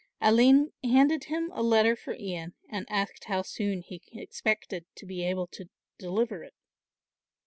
Aline handed him a letter for Ian and asked how soon he expected to be able to deliver it.